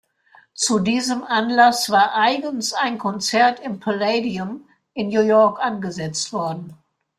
Zu diesem Anlass war eigens ein Konzert im „Palladium“ in New York angesetzt worden.